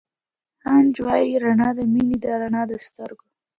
خانج وائي رڼا َد مينې ده رڼا َد سترګو